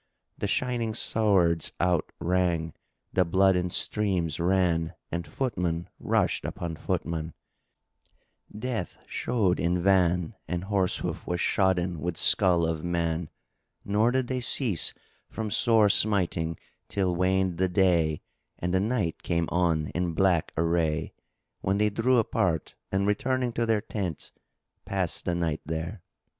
The shining swords out rang; the blood in streams ran and footman rushed upon footman; Death showed in van and horse hoof was shodden with skull of man; nor did they cease from sore smiting till waned the day and the night came on in black array, when they drew apart and, returning to their tents, passed the night there.